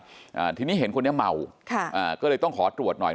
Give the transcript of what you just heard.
อ่าทีนี้เห็นคนนี้เมาค่ะอ่าก็เลยต้องขอตรวจหน่อย